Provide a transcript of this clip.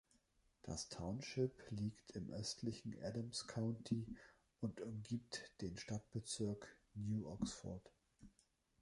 Das Township liegt im östlichen Adams County und umgibt den Stadtbezirk New Oxford.